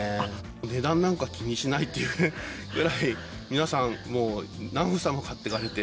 値段なんか気にしないっていうぐらい、皆さんもう何房も買っていかれて。